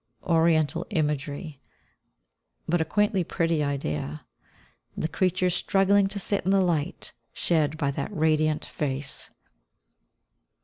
Oriental imagery, but a quaintly pretty idea, the creatures struggling to sit in the light shed by that radiant face.